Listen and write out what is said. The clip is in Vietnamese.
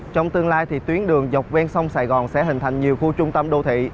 trong tương lai tuyến đường dọc ven sông sài gòn sẽ hình thành nhiều khu trung tâm đô thị